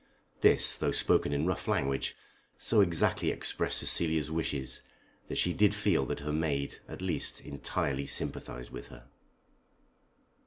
This, though spoken in rough language, so exactly expressed Cecilia's wishes, that she did feel that her maid at least entirely sympathised with her.